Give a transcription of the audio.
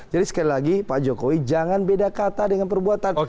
sekali lagi pak jokowi jangan beda kata dengan perbuatan